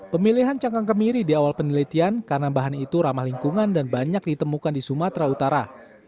pemilihan cangkang kemiri di awal penelitian karena bahan itu ramah lingkungan dan banyak ditemukan di sumatera utara